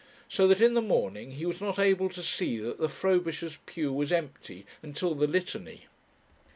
So that in the morning he was not able to see that the Frobishers' pew was empty until the litany.